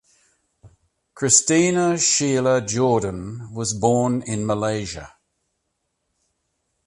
Christina Sheila Jordan was born in Malaysia.